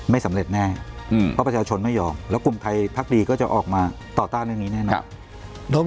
ไม่สำเร็จแน่เพราะประชาชนไม่ยอมแล้วกลุ่มไทยพักดีก็จะออกมาต่อต้านเรื่องนี้แน่นอน